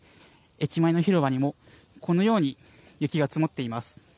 駅前の広場にもこのように雪が積もっています。